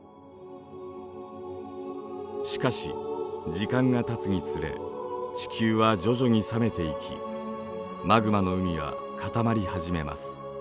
しかし時間がたつにつれ地球は徐々に冷めていきマグマの海は固まり始めます。